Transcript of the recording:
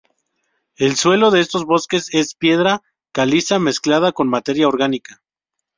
El suelo de estos bosques es piedra caliza mezclada con materia orgánica.